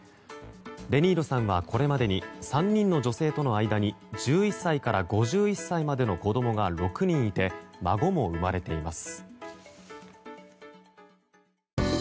デ・ニーロさんはこれまでに３人の女性との間に１１歳から５１歳までの子供が６人いて孫も生まれています。